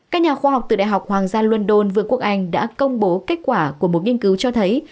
các nhà khoa học từ đại học hoàng gia london vương quốc anh đã công bố kết quả của một nghiên cứu cho thấy